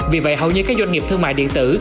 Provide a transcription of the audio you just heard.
vì vậy hầu như các doanh nghiệp thương mại điện tử